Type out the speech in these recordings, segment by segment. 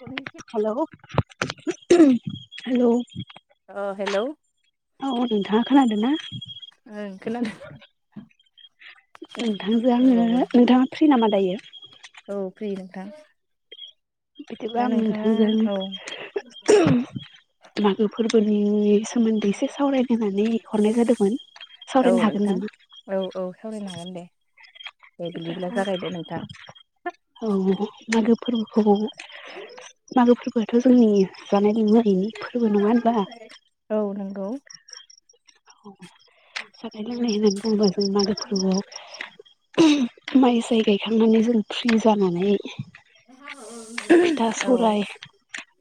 अ hello hello. Hello औ नोंथाङा खोनादों ना। ओं खोनादों नोंथांजों आङो औ नोंथाङा फ्रि नामा दायो। औ फ्रि नोंथां। बिदिबा दा आं नोंथाङा औ नोंथांजों मागो फोरबोनि सोमोन्दै एसे सावरायनानै हरनाय जादोंमोन औ सावरायनो हागोन नोंथां नामा। औ औ सावरायनो हागोन दे दे बिदिब्ला जागायदो नोंथां। औ मागो फोरबोखौ मागो फोरबोआथ' जोंनि जानायनि मैनि फोरबो नङा होनबा। औ। जानाय लोंनाय होनना बुङोबा जों मागो फोरबोआव माइ साय गायखांनानै जों फ्रि जानानै फिथा औ सौराय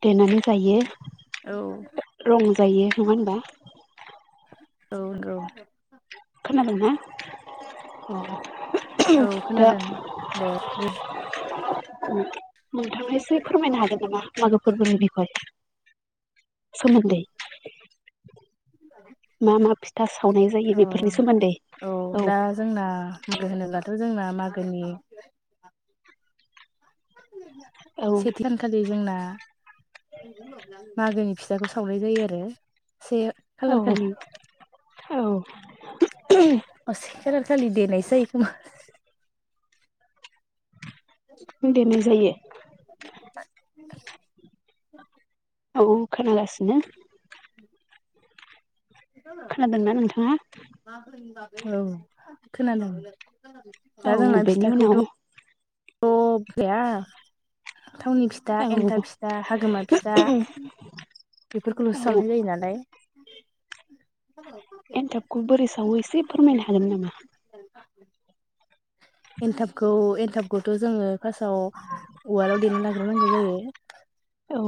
देनानै जायो औ रं जायो नङा होनबा। औ औ। खोनादोंंना। औ खोनादों दे बुं। नोंथांया एसे फोरमायनो हागोन नामा मागो फोरबोनि बिखय सोमोनदै मा मा फि सावनाय जायो। औ दा जोंना मागो होनोब्ला थ' जोंना मागोनि औ सेथिखानखालि जोंना मागोनि फिथाखौ सावनाय जायो आरो। से औ खालार खालि औ। औ सेखालार खाललि देनायसो जायो खोमा देनाय जायो। [unintelligible] औ खोनागासिनो। खोनादोंना नोंथाङा औ खोनादोंं औ दा जोंना बेनि उनाव फिथाखौथ' अ भया थावनि फिथा औ एन्थाब फिथा हागोमा फिथा औ बेफोरखौल'सो सावनाय जायो नालाय एन्थाबखौ बोरै साव एसे फोरमायनो हागोन नामा एनथाबखौ एनथाबखौथ' जोङो फार्स्टआव उवालाव देना लाग्रोनांगौ जायो औ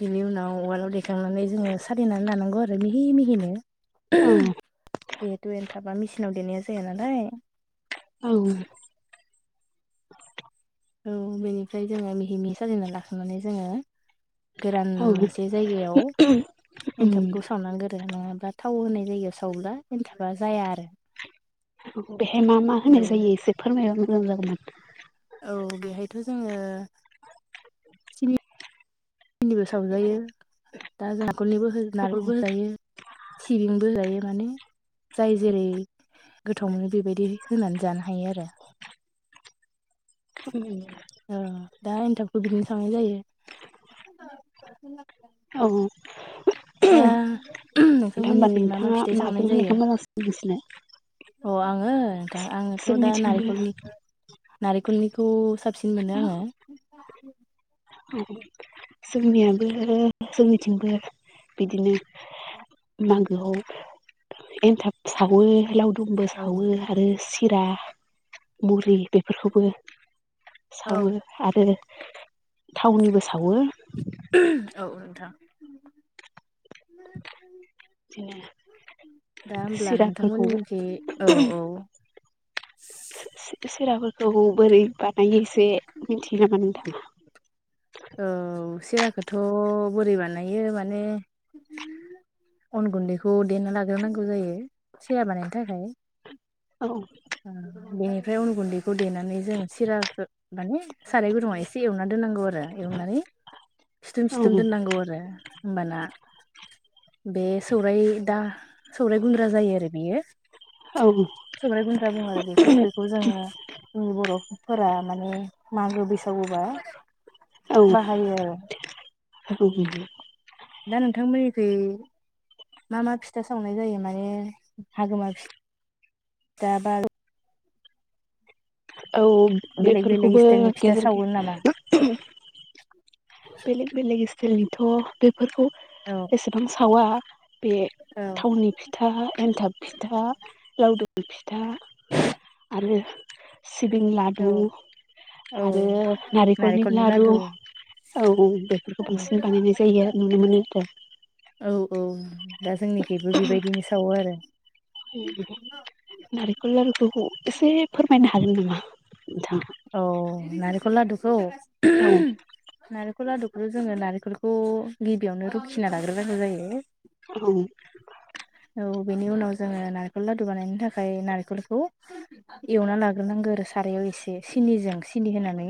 बिनि उनाव उवालाव दैेखांनानै जोङो सालिनानै लानांगौ आरो मिहि मिहिनो औ जिहेथु एन्थाबा मेचिनाव देनाया जाया नालाय औ औ बेनिफ्राय जोङो मिहिमिहि साजलिना लाखांनानै जोङो गोरान औ मोनसे जायगायाव उम एन्थाबखौ सावनां गोरो नङा थाव होनाय जायो सावब्ला एन्थाबा जाया आरो औ बेहाय मा मा औ होनाय जायो एसे फोरमायबा मोजां जागौमोन औ बेहायथ' जोङो सिनि सिनिबो सावजायो दा जखलनिबो नारिलबो होजायो सिबिंबो जायो माने जाय जेरै गोथाव मोनो बेबायदि होनानै जानो हायो आरो उम औ दा एनथाबखौ बिदिनो सावनाय जायो औ-औ नथा दा होमबा नोंथांमोननिखै मा मा नोंथाङा फिथाइ सावनाय माजों जायो होनायखौ मोजांसि मोनसिनो अ आङो नोंथां आङोथ' दा जोंनिथिंबो नारेंखलनिखो नारेंखलनिखौ साबसिन मोनो आङो जोंनियाबो जोंनिथिंबो बिदिनो मागोआव एन्थाब सावो लावदुम खुुमबो औ सावो आरो सिरा मुरि बेफोरखौबो औ सावो आरो थावनिबो सावो था [unintelligible] [inaudible] दा होमब्ला सिराफोरखौ नोंथांमोननिखै औ औ [unintelligible] [inaudible] सिराफोरखौ बोरै बानायो एसे मिथियो नामा नोंथाङा औ सिराखौथ' बोरै बानायो माने अन गुन्दैखौ देना लाग्रोनांगौ जायो सिरा बानायनो थाखाय औ बेनिफ्राय उन गुन्दै खौ देनानै जों सिराखौ माने साराय गुदुुंआव एसे एवना दोननांगौ आरो एवनानै सिथुम औ सिथुम दोननांगौ आरो होमबाना बे सौराय दा सौराय गुन्द्रा जायो आरो बेयो सराय गुनद्रा बुङो आरो बेखौ बेखौ जोङो जोंनि बर'फोरा माने मागो बैसागोबा बाहायो आरो हाथ गजु दा नोंथांमोननिखै मा मा फिथा सावनाय जायो माने हागोमा फिटा दा बार औ बेलेग बेलेग बेफोरखौबो स्टाइलनि फिथा गेजेर सावो नामा गेजे बेलेग बेलेग स्टाइलनिथ' बेफोरखौ औ एसेबां सावा बे औ थावनि फिथा एन्थाब फिथा लावदुम फिथा [unintelligible] [inaudible] आरो सिबिं औ लादु औ आरो नारेखलनि नारेंखलनि लारु लादु औ औ बेफोरखौ बांसिन बानायनाय जायो आरो नुनो मोनो आरो। औ औ दा जोंनिखिबो बेबायदिनो सावो आरो। नारेखल लारुखौ एसे फोरमायनो हागोन नामा नोंथां? औ नारेंखल लादुखौ औ। नारेखल लादुखौ जोङो नारेंखलखौ गिबियावनो रुखिना लाग्रोबांगौ जायो। औ। औ बेनि उनाव जोङो नारेखल लादु बानायनो थाखाय नारेंखलखौ एवना लाग्रोनांगौ आरो सारायाव एसे। सिनिजों सिनि होनानै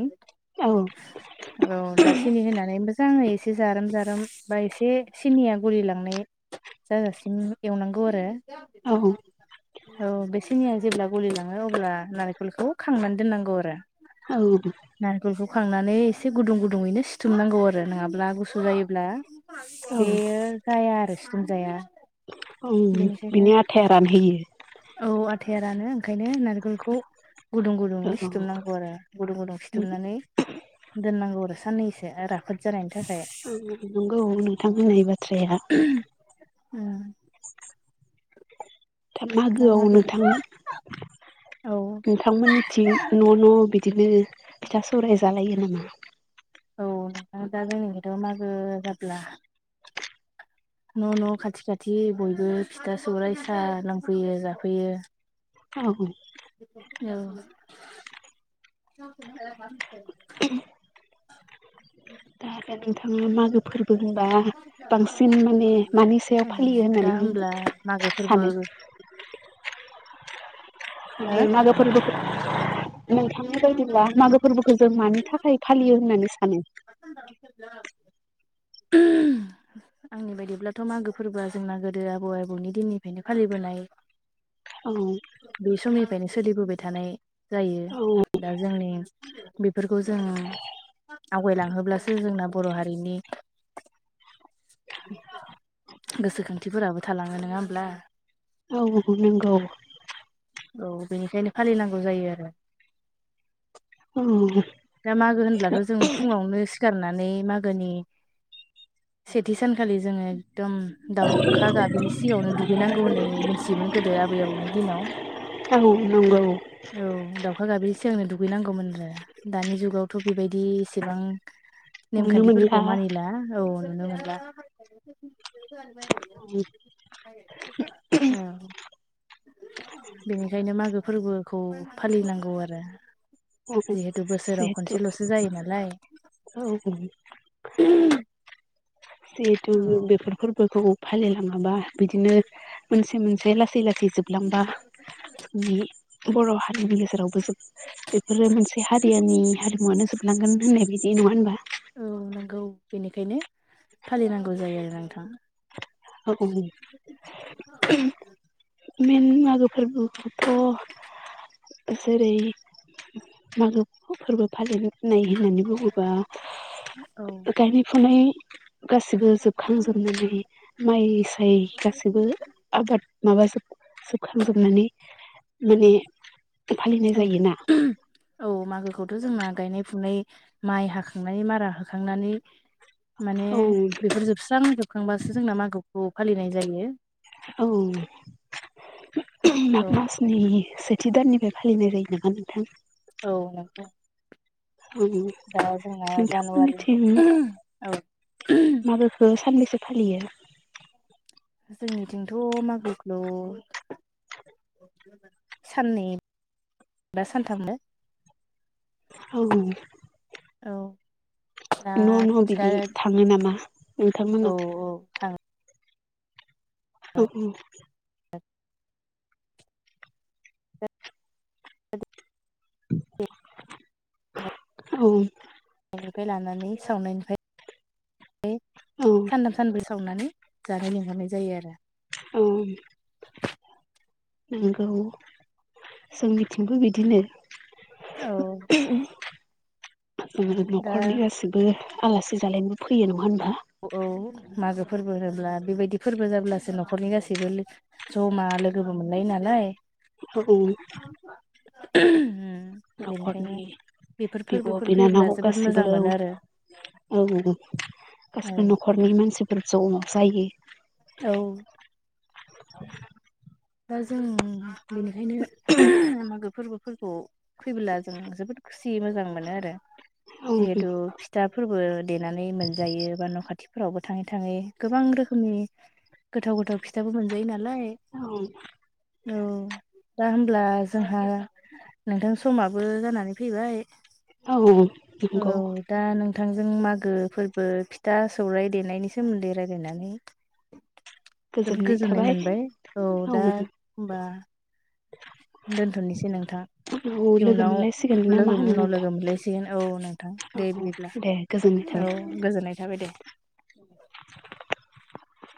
औ दा सिनि होनानै मोजाङै एसे जारोम जारोम बा एसे सिनिया गलि लांनाय जाजासिम एवनांगौ आरो। औ। औ बे सिनिया जेब्ला गलि लाङो अब्ला नारेंखलखौ खांनानै दोननांगौ। [unintelligible] औ नारेंखल खौ हुखांनानै एसे गुदुं गुदुङैनो सिुथुमनांगौ आरो नङाब्ला गुसु जायोब्ला औ बेयो जाया आरो सिथुम जाया। ओं बिनि आथाया रानहैयो। औ आथायारानो ओंखायनो नारेखलखौ गुदुं गुदुं औ सिथोमनांगौ आरो गुदुं गुदुं सिथुमनानै दोननांगौ आरो। साननैसो राफोद जानायनि थाखाय नंगौ नोंथां होननाय बाथ्राया। उम। [unintelligible] दा मागोआव मागो नोंथां औ नोंथांमोननिथिं न' न' बिदिनो फिथा सौराय जालायो नामा? औ नोंथां दा जोंनि थिंथ मागो जाब्ला [unintelligible] न' न' खाथि खाथि बयबो फिथा सौराय साहा लांफैयो जाफैयो। औ। औ। [unintelligible] दा आरो नोंथाङा मागो फोरबो होनबा बांसिन माने मानि सायाव फालियो होननानै बुं ला मागो फोरबो [unintelligible] हो बे मागो फोरबोखौ नोंथांनि बायदिब्ला मागो फोरबोखौ जों मानि थाखाय फालियो होननानै सानो? [unintelligible] आंनि बायदिब्लाथ' मागो फोरबोआ जोंना गोदो आबौ आबौनि दिननिफ्रायनो फालिबोनाय औ बे समनिफ्रायनो सोलिबोबाय थानाय जायो। औ दा जोंनि बेफोरखौ जों आवगायलाांहोब्लासो जोंना बर' हारिनि गोसोखांथिफोराबो थालाङो नङा होमब्ला? औ नोंगौ नोंगौ। औ बेनिखायनो फालिनांगौ जायो आरो। औ नंगौ। दा मागो होनब्लाथ' जों फुङावनो सिखारना नै मागोनि सेथि सानखालि जोङो दम दावखा गाबिनि सिगाङावनो दुगैनांगौ होननै मोनथियोमोन गोदो आबै आबौनि दिनाव। औ नंगौ औ दाउखा गाबि सिगांनो दुगैनांगौमोननो दानि जुगावथ' बेबायदि एसेबां नुनो नेमखान्थिफोरखौ मोनला मानिला औ नुनो मोनला। उम। बेनिखायनो मागो फोरबोखौ फालिनांगौ आरो। जिहेथु बोसोराव खनसेल'सो जायो नालाय [inaudible] जिहेथु बेफोर फोरबोखौ फालिलाङाबा बिदिनो मोनसे मोनसे लासै लासै जोबलांबा जोंनि बर' हारिनि गेजेरावबो बेफोरो मोनसे हारियानि हारिमुवनो जोबलांगोन होननाय बायदि। नङा होनबा? औ नंगौ बेनिखायनो फालिनांगौ जायो आरो नोंथां। [unintelligible] बिदिनो मागो फोरबोखौबोथ' जेरै मागो फोरबो फालिनो। होननानै बुङोबा औ गायनाय फुनाय गासिबो जोबखांजोबनानै माइ साय गासैबो आबाद माबा जोब जोबखांजोबनानै। माने फालिनाय औ जायोना औ मागोखौथ' जोंना। गायनाय फुनाय माइ हाखांनानै मारा होखांनानै। माने औ बेफोर जोबस्रांजोबखांबासो जोंना मागोखौ फालिनाय जायो। औ माग औ मासनि सेथि दाननिफ्राय फालिबोनाय नुदों नोंथां। औ नंगौ दा जोंना नोंथांमोननिथिं जानुवारिनि औ माबाखो सानबेसे? फालियो? जोंनिथिंथ' मागोखौ साननै बा सानथामाव। औ। औ नोंथां औ मोननाव औ [inaudible] [inaudible] औ लानानै सावनायनिफ्राय औ सानथाम सानब्रै सावनानै जानो लिंहरनाय जायो आरो। औ नंगौ जोंनिथिंबो बिदिनो। औ [inaudible] जोङो दा न'खरनि गासैबो आलासि जालायनोबो फैयो नङा होनबा? औ मागो फोरबो होनोब्ला बेबायदि फोरबो जाब्लासो न'खरनि गासैबो ज'मा। लोगोबो मोनलायो नालाय। [inaudible] [inaudible] बेनिखायनो न'खरनि बेफोर बिब' फोरबोफोर बिनानाव फैयोब्ला जोबोद गासिबो मोजां औ मोनो आरो। औ औ गासैबो न'खरनि मानसिफोर ज' जायो। औ। [inaudible] दा जों बेनिखायनो मागो फोरबो फोरखौ फैबोला जों जोबोद खुसि मोजां मोनो आरो। औ जिहेथु फिथाफोरबो देनानै मोनजायो बा न' खाथि फ्राबो थाङै थाङै गोबां रोखोमनि गोथाव गोथाव फिथाबो मोनजायो नालाय। औ औ दा होमब्ला जोंहा नोंथां समाबो जानानै फैबाय औ नंगौ औ दा नों नोंथांजों मागो फोरबो फिथा सौराय देनायनि सोमोन्दै राय्लायनानै। जोबोद गोजोननाय मोनबाय। औ दा होनबा दोनथ'नोसै नोंथां औ लोगो इयुनाव मोनलायसिगोन ना मा लोगो होनो उनाव नोंथां लोगो मोनलायसिगोन औ नोंथां औ दे बिदिब्ला दे गोजोननाय थाबाय औ गोजोननाय थाबाय दे [inaudible]